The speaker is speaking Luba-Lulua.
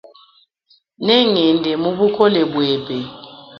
Nengende kubukole bwebe.